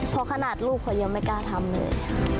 เพราะขนาดลูกเขายังไม่กล้าทำเลย